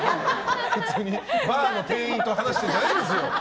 普通にバーの店員と話してるんじゃないんですよ。